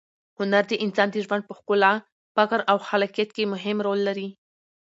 هنر د انسان د ژوند په ښکلا، فکر او خلاقیت کې مهم رول لري.